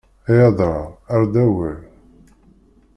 Ay adrar err-d awal!